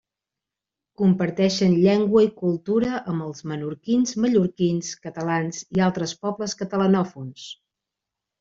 Comparteixen llengua i cultura amb els menorquins, mallorquins, catalans i altres pobles catalanòfons.